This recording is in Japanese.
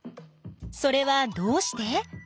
それはどうして？